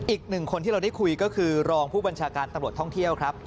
อีกหนึ่งคนที่เราได้คุยก็คือรองผู้บัญชาการตำรวจท่องเที่ยวครับ